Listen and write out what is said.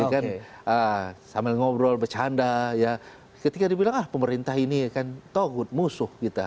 kan sambil ngobrol bercanda ya ketika dibilang ah pemerintah ini kan togut musuh kita